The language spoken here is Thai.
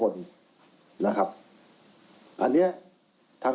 อันนี้ทางกองปราบพูดจริงนะครับ